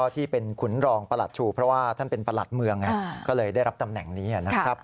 ที่เป็นขุนรองประหลัดชูเพราะว่าท่านเป็นประหลัดเมืองก็เลยได้รับตำแหน่งนี้นะครับ